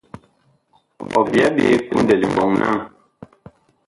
Ɔ byɛɛ ɓe kundɛ liɓɔŋ li naŋ.